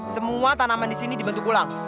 semua tanaman disini dibentuk ulang